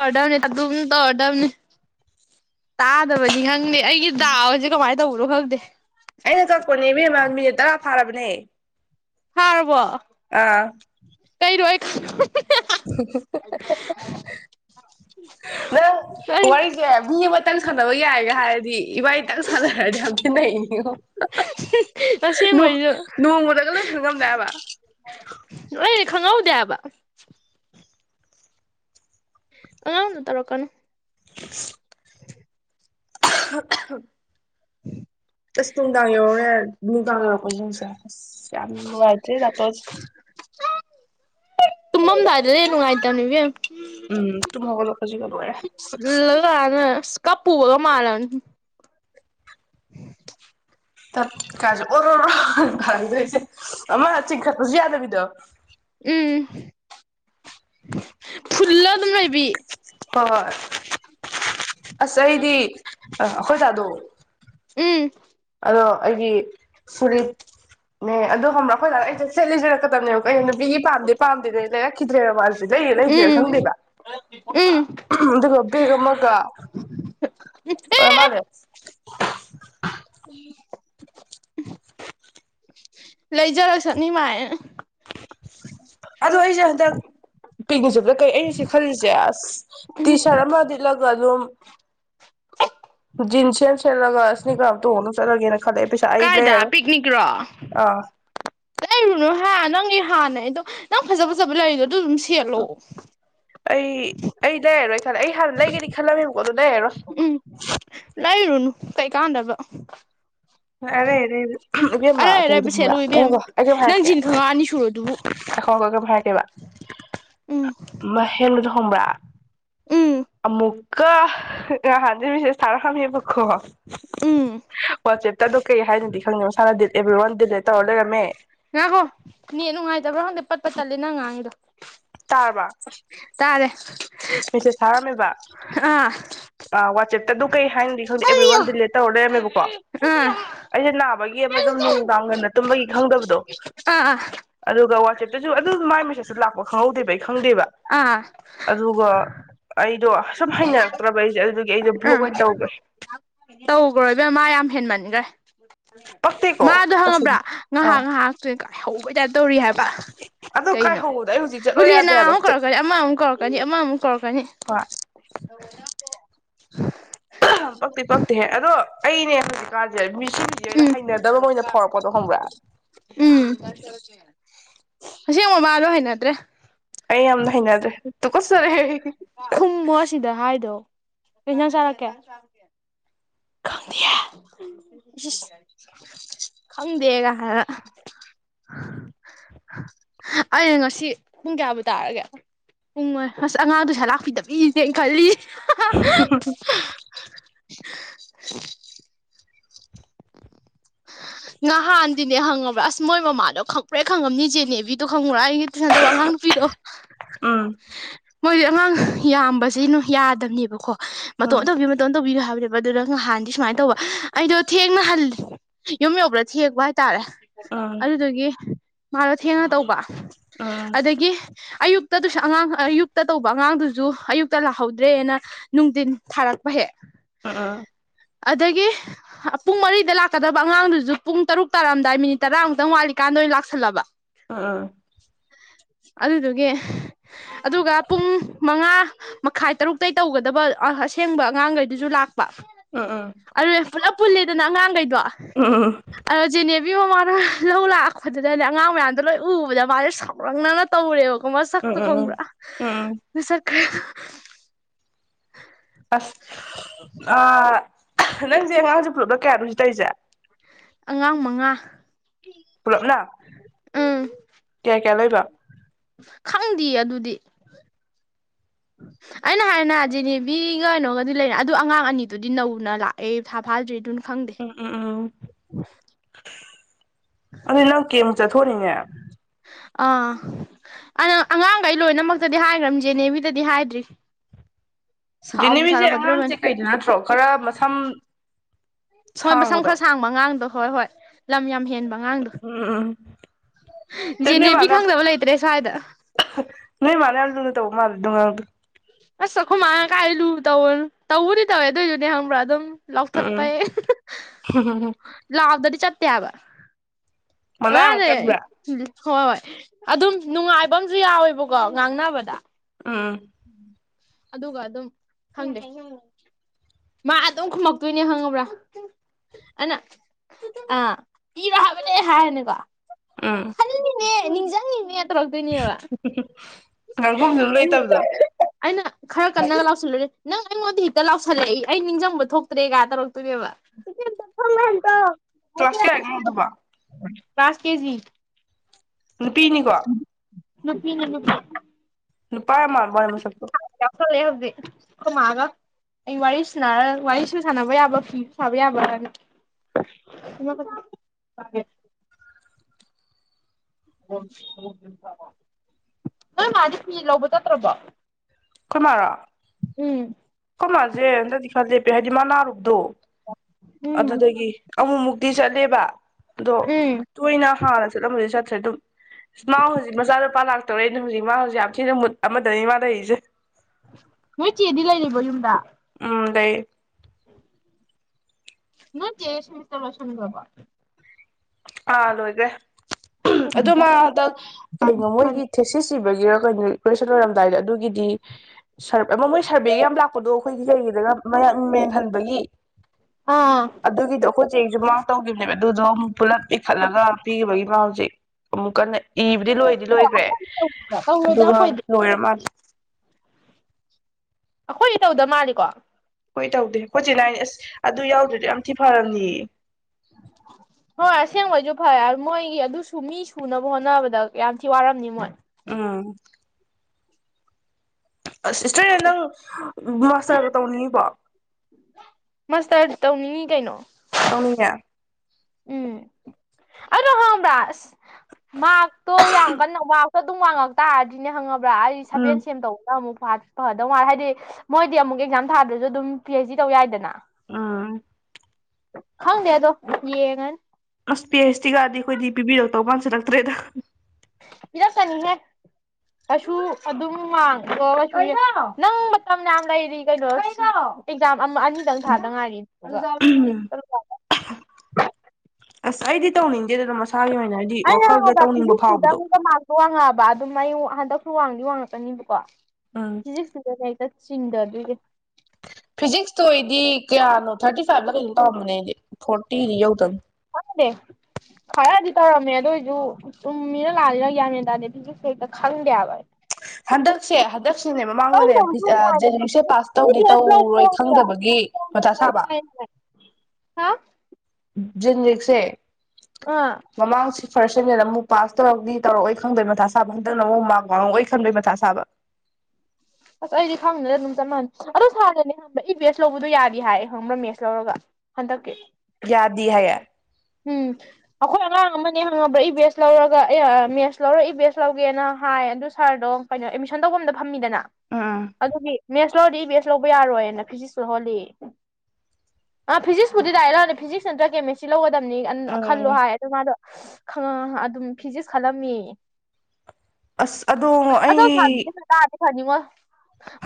ꯇꯧꯔꯗꯕꯅꯤ ꯇ ꯇꯧꯔꯗꯕꯅꯦ ꯇꯥꯗꯕꯅꯤ ꯈꯪꯅꯤ ꯑꯩꯒꯤꯗꯗꯥꯎꯖꯤꯦ ꯀꯃꯥꯏ ꯍꯔꯣ ꯈꯒꯗꯦ ꯑꯩꯅ ꯆꯠꯄꯅꯦꯕꯦꯝꯃ ꯃꯤꯅꯤꯠ ꯇꯔꯥ ꯐꯥꯔꯕꯅꯦ ꯍꯥꯔꯕꯣ ꯑꯥ ꯀꯩꯔꯣꯏ ꯈꯜ ꯅꯪ ꯑꯩ ꯋꯥꯔꯤꯁꯦ ꯃꯤ ꯑꯃꯇꯪ ꯁꯥꯟꯅꯕ ꯌꯥꯏꯒ ꯍꯥꯏꯔꯗꯤ ꯏꯕꯥꯇꯪ ꯁꯥꯟꯅꯈ꯭ꯔꯗꯤ ꯌꯥꯝ ꯊꯤꯅꯩꯅꯤꯉꯣ ꯑꯁꯦꯡꯕꯩꯁꯨ ꯅꯣꯡꯃꯗꯒ ꯂꯣꯏꯁ ꯉ ꯕ ꯑꯩ ꯈꯪꯍꯧꯗꯦ ꯍꯥꯏꯕ ꯑ ꯌꯥꯥꯎꯅ ꯇꯧꯔꯀꯅ [unintelligible] [unintelligible] ꯎꯝ ꯑꯁ ꯅꯨꯡꯗꯥꯡ ꯌꯧꯔꯦ ꯅꯨꯡꯗꯥꯡ ꯌꯧꯔꯛꯄꯁꯦ ꯍꯧꯖꯤꯛꯁꯦ ꯑꯁ ꯌꯥꯝ ꯅꯨꯡꯉꯥꯏꯇ꯭ꯔꯦ ꯅꯥꯇꯣꯟꯁꯦ ꯇꯃꯝꯗꯗꯗ ꯌꯦ ꯅꯥꯏꯇꯕꯅꯤꯦ ꯎꯝ ꯇꯨꯝꯃ ꯈꯖꯤꯕ ꯄꯔꯦ ꯀꯞꯄꯨ ꯑꯣ ꯃꯥꯔꯅ ꯇꯠ ꯀꯥꯁꯦ ꯑꯣꯔꯣ ꯔꯣ ꯇꯥꯔꯛꯇꯣꯏꯁꯦ ꯑꯃ ꯆꯤꯡꯈꯠꯄꯁꯨ ꯌꯥꯗꯕꯤꯗꯣ ꯎꯝ ꯐꯨꯜꯂ ꯑꯗꯨꯃꯦꯣꯏꯕꯤ ꯍꯣꯏ ꯑꯁ ꯑꯩꯗꯤ ꯑꯩꯈꯣꯏ ꯇꯥꯗꯣ ꯎꯝ ꯑꯗꯣ ꯑꯩꯒꯤ ꯁꯨꯂꯤꯠꯅꯦ ꯑꯗꯣ ꯍꯕ꯭ꯔꯥ ꯑꯩꯈꯣꯏꯖꯥ ꯑꯩꯁꯦ ꯆꯠꯂꯤꯁꯤ ꯀꯕꯅꯦꯕ ꯀꯩ ꯅꯨꯄꯤꯒꯤ ꯄꯥꯝꯗꯦ ꯄꯥꯝꯗꯦꯗ ꯂꯩꯔꯛꯈꯤꯗ꯭ꯔꯦꯕ ꯃꯥꯗꯤ ꯂꯩꯌꯦ ꯂꯩꯗ꯭ꯔꯦꯅ ꯎꯝ ꯈꯪꯗꯦꯕ ꯎꯝ ꯑꯗꯨꯒ ꯕꯦꯒ ꯑꯃꯒ ꯑꯣꯏꯔ ꯑꯦ ꯃꯥꯜꯂꯦ ꯂꯩꯖꯔꯒꯁꯅꯤꯃꯥꯏ ꯑꯗꯣ ꯑꯩꯁꯦ ꯍꯟꯗꯛ ꯄꯤꯉ ꯆꯕꯗ ꯀꯩ ꯑꯩꯅ ꯁꯤ ꯈꯜꯂꯤꯁꯦ ꯑꯁ ꯇꯤ ꯎꯝ ꯁꯥꯔꯠ ꯑꯃ ꯂꯤꯠꯂꯒ ꯑꯗꯨꯝ ꯖꯤꯟꯁ ꯆꯂꯒꯁꯤꯅꯤ ꯀ ꯇꯨꯅ ꯆꯂꯒꯦꯅ ꯈꯗꯦ ꯄꯁꯏ ꯀꯥꯏꯗ ꯂꯩꯦ ꯄꯤꯛꯅꯤꯛꯔꯣ ꯑꯣ ꯑ ꯂꯩꯔꯨꯅꯨ ꯍꯥ ꯅꯪꯒꯤ ꯍꯥꯟꯅꯩ ꯑꯗꯣ ꯅꯪ ꯐꯖ ꯐꯖꯕ ꯂꯩꯔꯤꯗꯣ ꯑꯗꯨ ꯑꯗꯨꯝ ꯁꯦꯠꯂꯣ ꯑꯩ ꯑꯩ ꯂꯩꯔꯔꯣꯏ ꯑꯩ ꯍꯥꯟꯅ ꯂꯩꯒ‌ꯦꯗꯤ ꯈꯜꯂꯝꯃꯤꯕ ꯑꯗ‌ꯣ ꯂꯩꯔꯔꯣꯏ ꯎꯝ ꯂꯩꯔꯨꯅꯨ ꯀꯩ ꯀꯥꯟꯗꯕ ꯍ‌ꯣꯏ ꯑꯔꯩ ꯑꯔꯩꯕ ꯏꯕꯦꯝꯃ ꯀꯔꯤꯗꯣ ꯑꯔꯩꯕ ꯈꯪꯕ꯭ꯔꯥ ꯁꯦꯠꯂꯨ ꯑꯩ ꯏꯕꯦꯝꯃ ꯑꯩ ꯀꯩꯅ‌ꯣꯝ ꯅꯪ ꯍꯥꯏꯔꯛꯀꯦ ꯖꯤꯟ ꯈꯪꯉꯥ ꯑꯅꯤ ꯁꯨꯔꯗꯨꯕꯨ ꯉꯥꯏꯈ‌ꯣ ꯉꯥꯏꯈ‌ꯣ ꯑꯩ ꯀꯩꯅ‌ꯣꯝ ꯍꯥꯏꯔꯛꯀꯦꯕ ꯎꯝ ꯈꯪꯕꯔ ꯎꯝ ꯑꯃꯨꯛ ꯀ ꯑ ꯍꯥꯟꯗꯩ ꯃ‌ꯦꯁꯦꯁ ꯊꯥꯔꯛꯑꯝꯃ‌ꯦꯕꯀ‌ꯣ ꯎꯝ ꯋꯥꯆꯦꯞ ꯑꯗꯨ ꯀꯩ ꯍꯥꯏꯅ‌ꯣꯗꯤ ꯈꯪꯗꯕ ꯃꯁꯥꯅ ꯑꯦꯕ꯭ꯔꯤ ꯋꯥꯟ ꯗꯦꯂꯦ ꯇꯧꯔ ꯂꯩꯔꯝꯃꯦ ꯉꯥꯏꯈ‌ꯣ ꯅ‌ꯦꯠ ꯅꯨꯡꯉꯥꯏꯇꯕ꯭ꯔ ꯈꯪꯗꯦ ꯄꯠꯄꯠ ꯇꯠꯂꯦ ꯅꯪ ꯉꯥꯡꯉꯤꯗꯣ ꯇꯔꯕ ꯇꯥꯔꯦ ꯃꯦꯁꯦꯁ ꯊꯥꯔꯝꯃꯦꯕ ꯑꯥ ꯑ ꯋꯥꯆꯞ ꯑꯗꯨ ꯀꯩ ꯍꯥꯏꯅ‌ꯣꯗꯤ ꯈꯪꯗ‌ꯦ ꯑꯦꯕ꯭ꯔꯤ ꯋꯥꯟ ꯗꯤꯂꯤꯠ ꯇꯧꯔ ꯂꯩꯔꯝꯃꯦꯕ ꯑꯥ ꯒꯤ ꯑꯃꯁꯨꯡ ꯅꯨꯡꯗꯥꯡ ꯉꯟꯅ ꯇꯨꯝꯕꯒꯤ ꯈꯪꯗꯕꯗꯣ ꯑꯥ ꯆ‌ꯦꯞꯇꯁꯨ ꯑꯗꯨ ꯃꯥꯏ ꯃꯦꯁꯁꯨ ꯂꯥꯛ ꯈꯪꯍꯧꯗꯦꯕ ꯑꯩ ꯈꯪꯗꯦꯕ ꯑꯥ ꯑꯗꯨꯒ ꯑꯩꯗꯣ ꯁꯨꯝ ꯍꯩꯅꯔꯛꯇ꯭ꯔꯕ ꯑꯩꯁꯦ ꯑꯗꯨ ꯑꯩꯁ‌ꯦ ꯕ꯭ꯂꯣꯛ ꯑꯣꯏꯅ ꯇꯧꯈ꯭ꯔꯦ ꯇꯧꯈ꯭ꯔꯣ ꯏꯕꯦꯝꯃ ꯃꯥ ꯌꯥꯝ ꯍꯦꯟꯃꯟꯈ꯭ꯔꯦ ꯄꯛꯇꯦꯀꯣ ꯃꯥꯗꯣ ꯈꯪꯕ꯭ꯔꯥ ꯇꯁꯦꯡꯅ ꯑꯥ ꯉꯥꯏꯍꯥꯛ ꯉꯥꯏꯍꯥꯛ ꯀꯥꯏꯍꯧꯕꯩ ꯇꯥꯏꯞ ꯇꯧꯔꯤ ꯍꯥꯏꯕ꯭ꯔꯥ ꯑꯗꯣ ꯀꯩꯅꯣ ꯀꯥꯏꯍꯧꯕꯗꯣ ꯑꯩ ꯍꯧꯖꯤꯛ ꯆꯠꯂꯣ ꯎꯂꯦꯅꯥ ꯌꯥꯗ꯭ꯔꯦ ꯍꯥꯏꯕ ꯑꯃꯨꯛ ꯀꯧꯔꯛꯀꯅꯤ ꯑꯃꯃꯨꯛ ꯀꯧꯔꯛꯀꯅꯤ ꯑꯃꯃꯨꯛ ꯀꯧꯔꯛꯀꯅꯤ ꯑ ꯄꯛꯇꯤ ꯄꯛꯇꯤꯍꯦ ꯑꯗꯣ ꯑꯩꯅꯦ ꯍꯧꯖꯤꯛꯀꯥꯟꯁꯦ ꯃꯤꯁꯤꯡꯁꯤꯁꯦ ꯎꯝ ꯍꯩꯅꯗꯕ ꯃꯤ ꯑꯣꯏꯅ ꯐꯥꯎꯔꯛꯄꯣꯗꯣ ꯈꯪꯕ꯭ꯔꯥ ꯎꯝ ꯑꯁꯦꯡꯕ ꯃꯥꯗꯣ ꯍꯩꯅꯗ꯭ꯔꯦ ꯑꯩ ꯌꯥꯝꯅ ꯍꯩꯅꯗ꯭ꯔꯦ ꯇꯣꯀꯠꯆꯔꯦ ꯍꯩ ꯈꯨꯝꯃ‌ꯣ ꯑꯁꯤꯗ ꯍꯥꯏꯗꯣ ꯀꯩ ꯏꯟꯁꯥꯡ ꯆꯔꯛꯀꯦ ꯈꯪꯗꯦ ꯈꯪꯗꯦ ꯀ ꯍꯥꯏꯅ ꯑꯩꯅ ꯉꯁꯤ ꯄꯨꯡ ꯀꯌꯥꯕꯨ ꯇꯥꯔꯒꯦ ꯄꯨꯡ ꯃꯣꯏ ꯑꯁ ꯑꯉꯥꯡ ꯇꯨꯏꯁꯟ ꯂꯥꯛꯄꯤꯗꯕꯤ ꯁꯤꯅꯦ ꯑꯩꯅ ꯈꯜꯂꯤꯁ‌ꯦ [unintelligible] [inaudible] [unintelligible] ꯅꯍꯥꯟꯗꯤꯅꯦ ꯍꯪꯉꯕ꯭ꯔꯥ ꯑꯁ ꯃꯣꯏ ꯃꯃꯥꯗꯣ ꯈꯪꯕ꯭ꯔꯦ ꯈꯪꯉꯝꯅꯤ ꯖꯦꯅꯦꯕꯤꯗꯣ ꯈꯪꯉꯨꯔꯥ ꯑꯩꯅꯦ ꯇꯨꯏꯁꯟ ꯇꯧꯕ ꯑꯉꯥꯡ ꯅꯨꯄꯤꯗꯣ ꯎꯝ ꯃꯣꯏ ꯑꯉꯥꯡ ꯌꯥꯝꯕꯁꯤ ꯌꯥꯗꯕꯅꯦꯕꯀꯣ ꯃꯇꯣꯝ ꯎꯝ ꯇꯧꯕꯤꯌꯨ ꯃꯇꯣꯣꯟꯝ ꯇꯧꯕꯤꯌꯨ ꯍꯥꯏꯕꯅꯦ ꯑꯗꯨꯗ ꯅꯍꯥꯟꯗꯤ ꯁꯨꯃꯥꯏꯅ ꯇꯧꯕ ꯑꯩꯗꯣ ꯊꯦꯡꯅꯍꯜꯂꯤ ꯌꯨꯝ ꯌꯧꯕ꯭ꯔꯥ ꯊꯦꯡꯕ ꯍꯥꯏꯇꯥꯔꯦ ꯎꯝ ꯑꯗꯨꯗꯒꯦ ꯃꯥꯅꯣ ꯊꯦꯡꯅ ꯇꯧꯕ ꯎꯝ ꯎꯝ ꯑꯗꯒꯤ ꯑꯌꯨꯛꯇꯗꯨꯁꯨ ꯑꯉꯥꯡ ꯑꯌꯨꯛꯇ ꯇꯧꯕ ꯑꯉꯥꯡꯗꯨꯁꯨ ꯑꯌꯨꯛꯇ ꯂꯥꯛꯍꯧꯗ꯭ꯔꯦꯅ ꯅꯨꯡꯊꯤꯟ ꯊꯥꯔꯛꯄꯍꯦꯛ ꯑꯗꯨꯗꯒꯤ ꯄꯨꯡ ꯃꯔꯤꯗ ꯂꯥꯛꯀꯗꯕ ꯑꯉꯥꯡꯗꯨꯁꯨ ꯄꯨꯡ ꯇꯔꯨꯛ ꯇꯥꯔꯝꯗꯥꯏ ꯃꯤꯅꯤꯠ ꯇꯔꯥꯃꯨꯛꯇꯪ ꯋꯥꯠꯂꯤꯀꯥꯟꯗ ꯑꯣꯏꯅ ꯂꯥꯛꯁꯜꯂꯕ ꯑꯥ ꯑꯥ ꯑꯗꯨꯗꯨꯒꯤ ꯑꯗꯨꯒ ꯄꯨꯡ ꯃꯉꯥ ꯃꯈꯥꯏ ꯇꯔꯨꯇꯩꯒꯤ ꯇꯧꯒꯗꯕ ꯑꯁꯦꯡꯕ ꯑꯉꯥꯡꯈꯩꯗꯨꯁꯨ ꯂꯥꯛꯄ ꯑꯦꯐꯂꯞ ꯄꯨꯂ ꯑꯗꯨꯅ ꯑꯉꯥꯡꯈꯩꯗꯣ ꯎꯝ ꯑꯖꯤꯅꯦꯕꯤ ꯅꯨꯄꯤ ꯃꯃꯥꯅ ꯂꯧ ꯂꯥꯛꯂꯄꯗꯨꯗꯅꯦ ꯑꯉꯥꯡ ꯃꯌꯥꯝꯗꯣ ꯂꯣꯏ ꯎꯕꯗ ꯃꯥꯁꯦ ꯁꯥꯎꯂꯛꯅꯅ ꯇꯧꯔꯦꯕꯀꯣ ꯀꯃꯔ ꯆꯥꯛꯇ ꯎꯝ ꯎꯝ ꯎꯝ ꯈꯪꯕ꯭ꯔꯥꯁꯔ ꯀ ꯑꯁ ꯑ ꯅꯪꯁꯦ ꯑꯉꯥꯡꯁꯦ ꯄꯨꯂꯞꯅꯣ ꯀꯌꯥ ꯂꯣꯏꯁꯤ ꯇꯧꯔꯤꯁꯦ ꯑꯉꯥꯡ ꯃꯉꯥ ꯄꯨꯂꯞꯅ ꯎꯝ ꯀꯌꯥ ꯀꯌꯥ ꯂꯩꯕ ꯈꯪꯗꯦ ꯑꯗꯨꯗꯤ ꯑꯩꯅ ꯍꯥꯏ ꯖꯤꯦꯅꯦꯕꯤꯒꯅꯣꯒꯗꯤ ꯂꯩꯔ ꯑꯗꯨ ꯑꯉꯥꯡ ꯑꯅꯤꯗꯨꯗꯤ ꯅꯧꯅ ꯂꯥꯛꯑꯦ ꯐꯥ ꯐꯥꯗ꯭ꯔꯤꯗꯨꯅ ꯎꯝ ꯎꯝ ꯑꯥ ꯑꯅ ꯀꯝ ꯆꯠꯊꯔꯤꯉꯦ ꯑꯥ ꯑꯪ ꯑꯉꯥꯡꯈꯩ ꯂꯣꯏꯅꯃꯛꯇꯗꯤ ꯍꯥꯏꯈ꯭ꯔꯝ ꯖꯦꯅꯦꯕꯤꯗꯗꯤ ꯍꯥꯏꯗ꯭ꯔꯤ ꯁꯥꯎꯕꯨ ꯖꯤꯅꯦꯃꯤꯁꯦ ꯑꯉꯥꯡꯁꯦ ꯁꯥꯎꯔꯛꯀꯗ꯭ꯔꯕꯅꯤ ꯀꯩꯗꯣ ꯅꯠꯇ꯭ꯔꯣ ꯈꯔ ꯃꯁꯝ ꯍꯣꯏ ꯃꯁꯝ ꯁꯥꯡꯕꯗꯣ ꯈꯔ ꯁꯥꯡꯕ ꯑꯉꯥꯡꯗꯣ ꯍꯣꯏ ꯍꯣꯏ ꯂꯝ ꯌꯥꯝ ꯍꯦꯟꯕ ꯑꯉꯥꯡꯗꯣ ꯎꯝ ꯎꯝ ꯎꯝ ꯅꯣꯏ ꯖꯦꯅꯦꯕꯤ ꯃꯥꯅ ꯈꯪꯗꯕ ꯂꯩꯇ꯭ꯔꯦ ꯁ꯭ꯋꯥꯏꯗ ꯃ ꯑꯁ ꯁꯈꯨ ꯃꯥꯉ ꯀꯥꯏꯂꯨ ꯇꯧ ꯇꯧꯅꯤ ꯇꯧꯦꯗꯅꯤ ꯍꯪ꯭ꯔꯥꯗꯝ ꯂꯥꯎ ꯊꯄ ꯎꯝ ꯑꯦ ꯎꯝ ꯂꯥꯎꯗ ꯆꯠꯇꯦꯕ ꯃꯅ ꯑꯃꯨꯛ ꯀ꯭ꯔ ꯍꯣꯏ ꯍꯣꯏ ꯑꯗꯨꯝ ꯅꯨꯡꯉꯥꯏꯕ ꯑꯝꯁꯨ ꯌꯥꯎꯋꯦꯕꯀꯣ ꯉꯥꯡꯅꯕꯗ ꯎꯝ ꯎꯝ ꯑꯗꯨꯒ ꯑꯗꯨꯝ ꯈꯪꯗꯦ ꯃꯥ ꯑꯗꯨꯝ ꯈꯨꯝꯃꯛꯇꯣꯏꯅꯦ ꯈꯪꯉꯕ꯭ꯔꯥ ꯑꯗꯨꯅ ꯑ ꯄꯤꯔꯣ ꯍꯥꯏꯕꯅꯦ ꯍꯥꯏꯔꯅꯤꯀꯣ ꯑꯥ ꯅꯤꯖꯥꯅꯤꯃꯤ ꯗꯣꯏꯅꯤ ꯋꯥ ꯉꯐꯝꯁꯨ ꯂꯣꯏꯇꯕꯗ ꯑꯩꯅ ꯈꯔ ꯀꯟꯅ ꯂꯥꯎꯁꯜꯂꯨꯔꯦ ꯅꯪ ꯑꯩꯉꯣꯟꯗ ꯍꯦꯛꯇ ꯂꯥꯎꯁꯜꯂꯛꯏ ꯑꯩ ꯅꯤꯡꯁꯤꯡꯕ ꯊꯣꯛꯇ꯭ꯔꯦ ꯀ ꯇꯧꯔꯛꯇꯣꯏꯅꯦꯕ ꯥꯁꯀꯤꯗꯃ ꯄꯥꯁ ꯀꯦꯖꯤ ꯅꯨꯄꯤꯅꯤꯀꯣ ꯅꯨꯠꯇ ꯅꯨꯄꯥꯏ ꯑꯃꯥ ꯃꯣꯏ ꯃꯁꯣ ꯥꯛꯑꯒ ꯑꯩ ꯋꯥꯔꯤ ꯁꯔ ꯋꯥꯔꯤꯁꯨ ꯁꯥꯟꯅꯕ ꯌꯥꯕ ꯐꯤꯁꯨ ꯁꯥꯕ ꯌꯥꯕ ꯍꯥꯏ ꯅꯣꯏ ꯃꯥꯗꯤ ꯐꯤ ꯂꯧꯕ ꯆꯠꯇ꯭ꯔꯕꯣ ꯎꯝ ꯀꯃꯥꯁꯦ ꯍꯟꯗꯗꯤ ꯈꯜꯂꯦꯄꯦ ꯍꯥꯏꯗꯤ ꯃꯥ ꯅꯥꯔꯨꯕꯗꯣ ꯎꯝ ꯑꯗꯨꯗꯒꯤ ꯑꯃꯨꯛꯃꯨꯛꯇꯤ ꯆꯠꯂꯦꯕ ꯑꯗꯣ ꯎꯝ ꯇꯣꯏꯅ ꯍꯥꯟꯅ ꯆꯠꯂꯝꯕꯗꯤ ꯆꯦ ꯆꯠ ꯃꯥꯑꯣ ꯍꯧꯖꯤ ꯃꯁꯥꯗ ꯄꯅꯥꯛ ꯇꯧꯔꯛꯦꯅꯦ ꯍꯧꯖꯤꯛ ꯃꯥ ꯍꯧꯖꯤꯛ ꯌꯥꯝ ꯊꯤꯅ ꯃꯨꯠ ꯑꯃꯗꯅꯤ ꯃꯥꯥ ꯂꯩꯔꯤꯁꯦ ꯃꯣꯏ ꯆꯦꯗꯤ ꯂꯩꯔꯕꯣ ꯌꯨꯝꯗ ꯎ ꯂꯩ ꯅꯣꯏꯠꯇ ꯁꯁꯇꯕꯁꯟꯗ꯭ꯔꯕ ꯑꯥ ꯂꯣꯏꯒꯦ ꯑꯗꯨꯃ ꯍꯟꯗꯛ ꯀꯩꯣ ꯃꯣꯏꯒꯤ ꯊꯦꯁꯤꯁꯁꯤ ꯒꯤ ꯑꯃ ꯃꯣꯏ ꯁꯚꯦ ꯂꯄꯗꯣ ꯑꯩꯈꯣꯏꯒꯤ ꯀꯩꯒꯤꯗ ꯃꯌꯥꯝ ꯃꯦꯟꯍꯟꯕꯒꯤ ꯑꯥ ꯑꯗꯨꯒꯤꯗꯣ ꯑꯩꯈ ꯆꯦꯛꯁꯨ ꯃꯥꯡ ꯇꯧꯈꯤꯕꯅꯦꯕ ꯑꯗꯨꯗꯣ ꯑꯃꯨꯛ ꯄꯨꯂꯞ ꯄꯤꯈꯠꯂꯒ ꯄꯤꯈꯤꯕꯒꯤ ꯃꯎꯁꯦ ꯃꯨꯛꯀꯟꯅ ꯏꯕꯨꯗꯤ ꯂꯣꯏꯗꯤ ꯂꯣꯏꯈ꯭ꯔꯦ ꯇꯧꯔꯣꯏꯗ ꯑꯗꯨꯒ ꯑꯩꯈꯣꯏꯗꯤ ꯂꯣꯏꯔ ꯃꯥꯜꯂ ꯑꯩꯈꯣꯏ ꯇꯧꯗ ꯃꯥꯜꯂꯤꯀꯣ ꯍꯣꯏ ꯇꯧꯗꯦ ꯄꯣꯠꯁꯤ ꯂꯛꯏ ꯑꯁ ꯑꯗꯨ ꯌꯥꯎꯗꯗꯤ ꯌꯥꯝ ꯊꯤ ꯐꯔꯕꯅꯤ [unintelligible] ꯍꯣꯏ ꯑꯁꯦꯡꯕꯩꯁꯨ ꯐꯔꯦꯍꯥꯏ ꯃꯣꯏꯒꯤ ꯑꯗꯨꯁꯨ ꯃꯤ ꯁꯨꯅꯕ ꯍꯣꯠꯅꯕꯗ ꯌꯥꯝ ꯊꯤ ꯋꯥꯔꯝꯅꯤ ꯃꯣꯏ ꯎꯝ ꯑꯁ ꯁꯤꯁꯇꯔ ꯑꯧ ꯅꯡ ꯃꯥꯁꯔꯒ ꯒꯥ ꯇꯧꯅꯤꯡꯕꯥ ꯃꯁꯇꯔ ꯇꯧꯅꯤꯡꯉꯤ ꯀꯩꯅꯣ ꯇꯧꯅꯤꯡꯉꯦ ꯎꯝ ꯑꯃꯕꯔꯥꯁ ꯃꯥꯛ ꯇꯣ ꯌꯥꯝꯀꯜꯅ ꯋꯥꯑꯣ ꯑꯗꯨꯝ ꯋꯥꯡꯉꯛ ꯇꯥꯔꯗꯤꯅꯦ ꯍꯉꯥꯞ ꯄꯔꯥ ꯑꯩ ꯎꯝ ꯁꯕꯦꯟ ꯁꯦꯝ ꯇꯧꯕ ꯑꯃꯨꯛ ꯐꯥꯠ ꯐꯗꯣꯃꯂꯤ ꯍꯥꯏꯗꯤ ꯃꯣꯏꯗꯤ ꯑꯃꯨꯛ ꯑꯦꯛꯖꯥꯝ ꯊꯥꯗ꯭ꯔꯁꯨ ꯑꯗꯨꯝ ꯄꯤ ꯑꯩꯩꯆ ꯗꯤ ꯇꯧ ꯌꯥꯏꯗꯅ ꯎꯝ ꯈꯡꯗꯦ ꯑꯗꯣ ꯌꯦꯡꯉꯅꯤ ꯑꯁ ꯄꯤ ꯑꯩꯁꯇꯤꯒꯥꯗꯤ ꯑꯩꯈꯣꯏꯗꯤ ꯄꯤꯕꯤꯔꯛꯇꯧ ꯃꯥꯟꯁꯤꯜꯂꯛꯇ꯭ꯔꯦꯗ ꯄꯤꯔꯛꯀꯅꯤꯍꯦ ꯀꯩꯁꯨ ꯑꯗꯨꯝ ꯃꯥꯉꯗꯣ ꯅꯡ ꯃꯇꯝ ꯌꯥꯝ ꯂꯩꯔꯤ ꯀꯩꯅꯣ ꯑꯦꯛꯖꯥꯝ ꯑꯃꯥ ꯑꯅꯤꯗꯡ ꯊꯥꯗ ꯉꯥꯏꯔꯤ [unintelligible] ꯎꯗꯦ ꯆꯠꯂꯣꯕꯥ [inaudible] ꯑꯩꯗꯤ ꯇꯧꯅꯤꯡ ꯑꯩꯅ ꯒꯥ ꯐꯥꯎꯕꯗꯣ [unintelligible] ꯇꯨ ꯃꯌꯨ ꯍꯟꯗꯛꯁꯨ ꯋꯥꯡꯗꯤ ꯋꯥꯡꯉꯛꯀꯅꯤꯕꯀꯣ ꯎꯝ ꯐꯤꯖꯛꯁꯥꯏ ꯆꯤꯟꯗꯕꯤꯎ ꯐꯤꯖꯤꯛꯁ ꯇꯣ ꯑꯩꯗꯤ ꯀꯌꯥꯅꯣ ꯊꯥꯔꯇꯤ ꯐꯥꯏꯚꯇ ꯀꯩꯅꯣꯝ ꯇꯧꯔꯝꯕꯅꯦ ꯑꯩꯗꯤ ꯐꯣꯔꯇꯤꯗꯤ ꯌꯧꯗꯝ ꯑꯟꯗꯦ ꯈꯔꯗꯤ ꯇꯧꯔꯝꯃꯦ ꯑꯗꯨ ꯑꯣꯏꯏꯁꯨ ꯆꯨꯝꯃꯤꯔꯥ ꯂꯥꯅꯅꯤꯔ ꯒꯥꯏꯅ ꯃꯧꯟ ꯇꯥꯗꯧ ꯐꯖꯤꯁ ꯀꯩꯇ ꯈꯡꯗꯦ ꯍꯥꯏꯕꯥ ꯍꯟꯗꯛꯁꯦ ꯍꯗꯛꯁꯅꯦ ꯃꯃꯥꯡꯒꯥꯅꯦ ꯂꯧꯗꯕꯁꯨ ꯐꯤꯖꯥ ꯅꯨꯡꯉꯥꯏꯇꯕ ꯖꯦꯅꯤꯃ ꯁꯦꯇꯁ ꯇꯧꯒꯦ ꯏꯚꯤꯑꯦꯁ ꯂꯧꯕ ꯇꯧꯔꯣꯏ ꯐꯥꯎꯕꯗ ꯈꯡꯗꯕꯒꯤ ꯃꯊꯥ ꯁꯥꯕ ꯍꯥ ꯖꯅꯤꯛꯁꯦ ꯑꯥ ꯃꯃꯥꯡꯁꯤ ꯐꯔꯁꯟꯅ ꯑꯃꯨꯛ ꯄꯥꯁ ꯇꯧꯔꯛꯅꯤ ꯇꯧꯔꯛꯑꯣꯏ ꯈꯡꯗꯕ ꯃꯊꯥ ꯁꯥꯕ ꯍꯟꯗꯛꯅ ꯑꯃꯨꯛ ꯃꯥꯔꯛ ꯋꯥꯡꯉꯛꯑꯣꯏ ꯈꯟꯕꯩ ꯃꯊꯥ ꯁꯥꯕ ꯑꯁ ꯑꯩꯗꯤ ꯈꯡꯗꯅ ꯑꯗꯨꯝ ꯆꯞ ꯃꯅꯩ ꯑꯗꯨ ꯁꯥꯥꯔꯅ ꯅꯥꯒꯣꯟꯗ ꯍꯕ꯭ꯔ ꯂꯧꯕꯗꯣ ꯌꯥꯒꯤ ꯍꯥꯏ ꯈꯝꯕ꯭ꯔꯥ ꯃꯦꯁ ꯂꯧꯔꯒ ꯍꯟꯗꯛꯀꯤ ꯌꯥꯗꯧ ꯍꯥꯏꯌꯦ ꯎꯝ ꯑꯩꯈꯣꯏ ꯑꯉꯥꯡ ꯑꯃꯅꯦ ꯈꯥꯉꯕꯥ ꯏ ꯕꯤ ꯑꯦꯁ ꯂꯧꯔꯒ [unintelligible] ꯃꯦꯠꯁ ꯂꯧꯔ ꯏ ꯕꯤ ꯑꯦꯁ ꯂꯧꯒꯦꯅ ꯍꯥꯏ ꯑꯗꯨ ꯁꯥꯔꯗꯣ ꯀꯩꯅꯣ ꯑꯦꯗꯃꯤꯁꯟ ꯇꯧꯕꯝꯇ ꯐꯝꯃꯤꯗꯅ ꯎꯝ ꯑꯗꯨꯒꯤ ꯃꯧꯁ ꯀꯂꯥꯑꯣꯗꯤ ꯏ ꯕꯤ ꯑꯦꯁ ꯂꯧꯕ ꯌꯥꯔꯣꯏꯅ ꯐꯤꯖꯤꯛꯁ ꯂꯧ ꯍꯜꯂꯤ ꯑ ꯐꯤꯖꯤꯛꯁꯄꯨꯗꯤ ꯖꯥꯌꯦꯒꯥꯟꯗ ꯐꯤꯖꯤꯛꯁ ꯅꯠꯇ꯭ꯔ ꯀꯦꯃꯤꯁꯇ꯭ꯔꯤ ꯂꯩꯔꯣ ꯇꯔꯝꯅꯤ ꯑꯅꯥ ꯈꯜꯂꯣ ꯎꯝ ꯍꯥꯏ ꯑꯣ ꯃꯥꯗꯣ ꯈ ꯑꯗꯨꯝ ꯐꯤꯖꯤꯛꯁ ꯈꯜꯂꯝꯃꯤ ꯑꯁ ꯑꯗꯣ ꯑꯩ ꯍꯥꯏꯅꯤ ꯋꯥ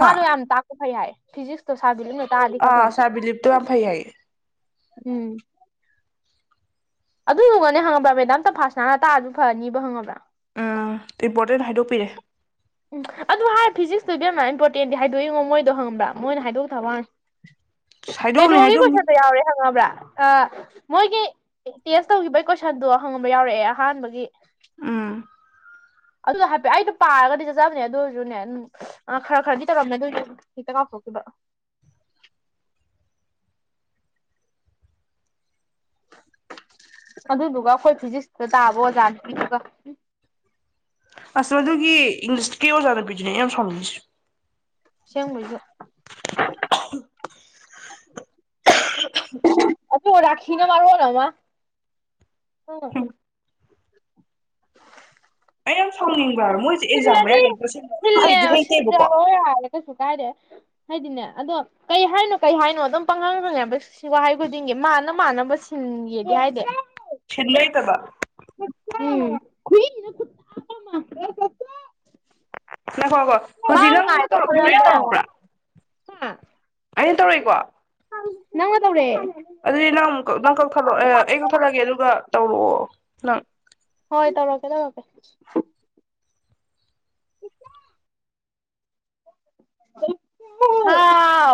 ꯍꯥ ꯌꯥꯝ ꯇꯥꯛꯄ ꯐꯩ ꯍꯥꯏ ꯐꯤꯖꯤꯛꯁ ꯇ ꯁꯥꯒꯂꯤ ꯅ ꯑ ꯁꯕꯂꯤ ꯂꯤꯞꯇ ꯋꯥ ꯐꯩꯏ ꯎꯝ ꯑꯗꯨꯗꯨꯒꯅꯦ ꯈꯪꯉꯕ꯭ꯔꯥ ꯃꯦꯗꯥꯝ ꯇ ꯐꯥꯁ ꯅꯥꯅ ꯇꯥꯔꯁꯨ ꯐꯅꯤꯕ ꯈꯪꯉꯕ꯭ꯔꯥ ꯎꯝ ꯏꯝꯄꯣꯔꯇꯦꯟ ꯍꯥꯏꯗꯣꯛꯄꯤꯔꯦ ꯎꯝ ꯑꯗꯨ ꯍꯥꯏꯔꯦ ꯐꯤꯖꯤꯛꯁꯇꯨꯗꯤ ꯌꯥꯝꯅ ꯏꯝꯄꯣꯔꯇꯦꯟꯗꯤ ꯍꯥꯏꯗꯣꯛꯏꯉꯣ ꯃꯣꯏꯗꯣ ꯍꯪꯕ꯭ꯔꯥ ꯃꯣꯏꯅ ꯍꯥꯏꯗꯣꯛ ꯊꯕꯅꯤ ꯍꯥꯏꯗꯣꯛꯑꯝꯅꯤ ꯀꯩꯅꯣꯒꯤ ꯍꯥꯏꯗꯣꯛꯑꯝꯅꯤ ꯀꯣꯏꯁꯟꯗꯣ ꯌꯥꯎꯔꯦ ꯍꯪꯉꯕ꯭ꯔꯥ ꯑ ꯃꯣꯏꯒꯤ ꯇꯦꯁ ꯇꯧꯈꯤꯕ ꯀꯣꯏꯁꯟꯗꯣ ꯍꯪꯉꯕ ꯌꯥꯎꯔꯛꯑꯦ ꯑꯍꯥꯟꯕꯒꯤ ꯑꯥ ꯑꯗꯨ ꯍꯥꯏꯐꯦꯠ ꯑꯩꯗꯣ ꯄꯥꯔꯒꯗꯤ ꯆꯠ ꯆꯖꯕꯅꯦ ꯑꯗꯨ ꯑꯣꯏꯔꯁꯨꯅꯦ ꯑꯗꯨꯝ ꯈꯔ ꯈꯔꯗꯤ ꯇꯧꯔꯝꯃꯦ ꯑꯗꯨꯏꯁꯨ ꯍꯦꯛꯇ ꯀꯥꯎꯊꯣꯛꯈꯤꯕ ꯑꯗꯨꯗꯨꯒ ꯑꯩꯈꯣꯏ ꯐꯤꯖꯤꯛꯁꯇ ꯇꯥꯕ ꯑꯣꯖꯥꯅꯤꯗꯨꯒ ꯑꯁ ꯑꯗꯨꯒꯤ ꯏꯪꯂꯤꯁ ꯀ ꯑꯣꯖꯥꯔ ꯗꯤꯅꯦ ꯌꯥꯝ ꯁꯥꯎꯅꯁꯤ ꯁꯃꯖꯦ ꯑꯆ ꯔꯥꯈꯅ ꯃꯥ ꯃꯔ ꯍꯅ ꯎ ꯎꯝ [inaudible] ꯑꯩ ꯌꯥꯝ ꯁꯥꯎꯅꯤꯡꯕ ꯍꯥꯏ ꯃꯣꯏꯁꯦ ꯑꯦꯛꯖꯥꯝ ꯃ ꯁꯤꯜꯂꯗꯤ ꯌꯥꯔꯦ ꯇꯁꯦꯡꯅ ꯃꯣꯏꯁꯨ ꯁꯤꯜꯂꯦ ꯍꯩꯗꯤ ꯍꯩꯇꯦꯕꯀꯣ ꯁꯤꯟꯖꯔꯣ ꯌꯥꯔꯦ ꯀꯩꯁꯨ ꯀꯥꯏꯗꯦ ꯍꯥꯏꯗꯤꯅꯦ ꯑꯗꯣ ꯀꯩ ꯍꯥꯏꯅꯣ ꯀꯩ ꯍꯥꯏꯅꯣ ꯑꯗꯨꯝ ꯄꯪꯍꯪ ꯈꯅꯦꯕ ꯁꯤ ꯋꯥꯍꯩ ꯈꯨꯗꯤꯡꯒꯤ ꯃꯥꯥꯟꯅ ꯃꯥꯟꯅꯕ ꯁꯤꯟꯒꯦꯗꯤ ꯍꯥꯏꯗꯤ ꯁꯤꯜꯂꯣꯏ ꯇꯕ ꯍꯄꯥ ꯃꯥ꯭ꯔ ꯀ ꯅꯀꯣꯀꯣ ꯍꯧꯖꯤꯛ ꯅꯪꯅ ꯇꯧꯔꯛꯈꯤꯕ꯭ꯔꯥ ꯑꯩꯅ ꯍꯣꯠꯅꯕꯗ ꯇꯧꯔꯛꯄ꯭ꯔꯥ ꯑꯩꯅ ꯇꯧꯔꯛꯏꯀꯣ ꯅꯪ ꯃꯗꯕ꯭ꯔꯦ ꯑꯗꯨꯗꯤ ꯅꯪ ꯅꯪ ꯀꯛꯊꯠꯂꯛꯑꯣ ꯑꯩ ꯀꯛꯊꯠꯂꯛꯑꯒꯦ ꯑꯗꯨꯒ ꯇꯧꯔꯛꯑꯣ ꯅꯪ ꯍꯣꯏ ꯇꯔꯒꯦ ꯇꯃꯒꯦ [inaudible]